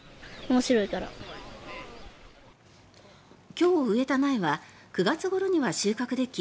今日植えた苗は９月ごろには収穫でき